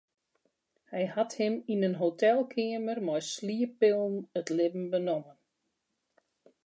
Hy hat him yn in hotelkeamer mei slieppillen it libben benommen.